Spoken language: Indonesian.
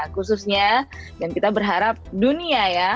khususnya dan kita berharap dunia ya